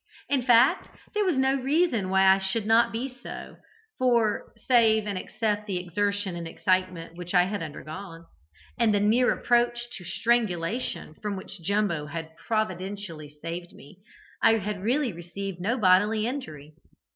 In fact, there was no reason why I should not be so, for, save and except the exertion and excitement which I had undergone, and the near approach to strangulation from which Jumbo had providentially saved me, I had really received no bodily injury.